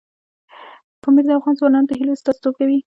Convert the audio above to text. پامیر د افغان ځوانانو د هیلو استازیتوب کوي.